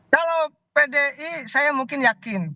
kalau pdi saya mungkin yakin